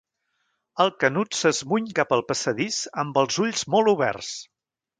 El Canut s'esmuny cap al passadís amb els ulls molt oberts.